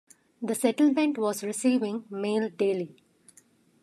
The settlement was receiving mail daily.